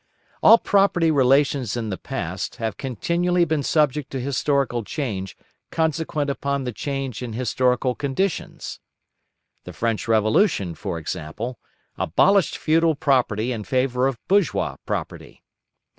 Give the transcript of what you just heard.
All property relations in the past have continually been subject to historical change consequent upon the change in historical conditions. The French Revolution, for example, abolished feudal property in favour of bourgeois property.